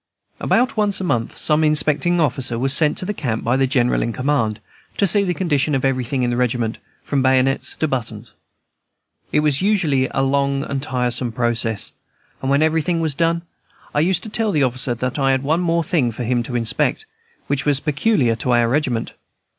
About once a month, some inspecting officer was sent to the camp by the general in command, to see to the condition of everything in the regiment, from bayonets to buttons. It was usually a long and tiresome process, and, when everything else was done, I used to tell the officer that I had one thing more for him to inspect, which was peculiar to our regiment.